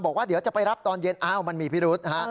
บอกว่าเดี๋ยวจะไปรับตอนเย็นอ้าวมันมีพิรุษฮะ